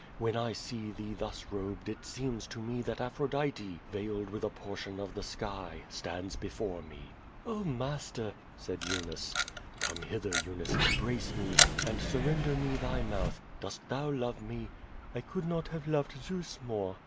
When I see thao thus robed it seems to me that Aphrodite, veiled with a por tion of the sky, stands before me." "Oh, master!" said Eunice.. "Come hither, Eunice, embrace me, and surrender me thy mouth. Dost thou love me?" "I could not have loved Zeus more."